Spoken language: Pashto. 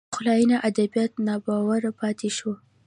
پخلاینې ادبیات ناباوره پاتې شول